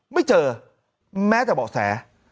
ไม่เจอแม้แต่เบาะแส